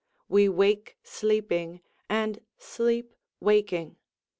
We wake sleeping, and sleep waking.